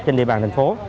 trên địa bàn thành phố